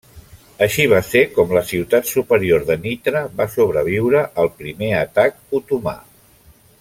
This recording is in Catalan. Així va ser com la ciutat superior de Nitra va sobreviure al primer atac otomà.